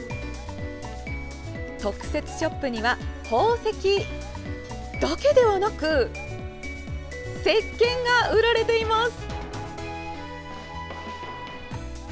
特設ショップには宝石だけではなくせっけんが売られています。